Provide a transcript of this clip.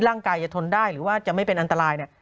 หลังกายจะทนได้หรือว่าจะไม่เป็นอันตราย